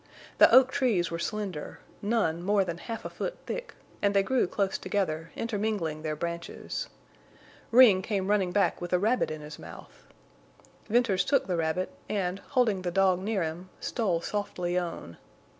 The oak trees were slender, none more than half a foot thick, and they grew close together, intermingling their branches. Ring came running back with a rabbit in his mouth. Venters took the rabbit and, holding the dog near him, stole softly on.